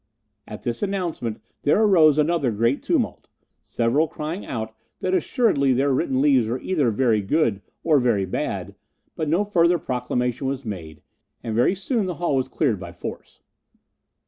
At this announcement there arose another great tumult, several crying out that assuredly their written leaves were either very good or very bad; but no further proclamation was made, and very soon the hall was cleared by force.